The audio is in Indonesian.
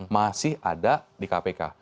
masih ada di kpk